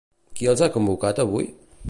Qui els ha convocat avui?